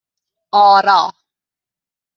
آرا